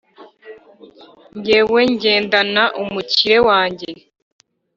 jyewe ngendana umukire wanjye